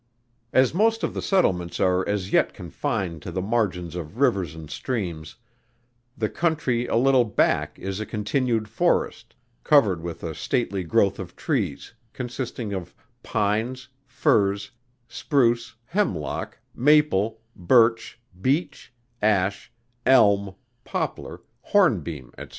As most of the settlements are as yet confined to the margin of rivers and streams, the country a little back is a continued forest, covered with a stately growth of trees, consisting of pines, firs, spruce, hemlock, maple, birch, beech, ash, elm, poplar, hornbeam, &c.